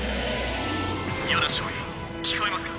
ヨナ少尉聞こえますか。